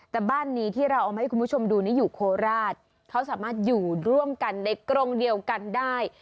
แต่บ้านนี้ที่เราเอามาให้คุณผู้ชมดูนี่อยู่โคราชเขาสามารถอยู่ร่วมกันในกรงเดียวกันได้